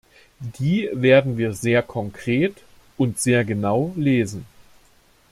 Die werden wir sehr konkret und sehr genau lesen.